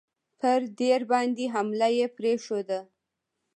پر دیر باندي حمله یې پرېښوده.